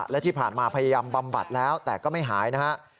และที่ผ่านมาพยายามบำบัดแล้วแต่ก็ไม่หายนะครับ